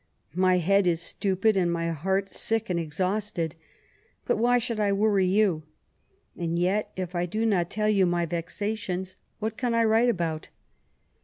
My head is stupid, and my heart sick and exhausted. But why should I worry you ? and yet, if I do not tell you my vexations, what can I write about